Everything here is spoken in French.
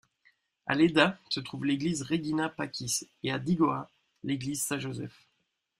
A Leda, se trouve l'église Regina Pacis et à Digora, l'église Saint-Joseph.